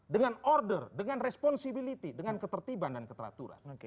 dengan order dengan responsibility dengan ketertiban dan keteraturan